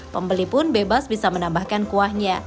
pembeli pun bebas bisa menambahkan kuahnya